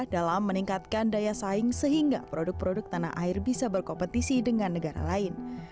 dalam meningkatkan daya saing sehingga produk produk tanah air bisa berkompetisi dengan negara lain